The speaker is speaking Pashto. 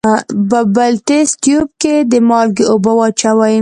په بل تست تیوب کې د مالګې اوبه واچوئ.